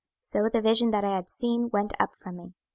So the vision that I had seen went up from me.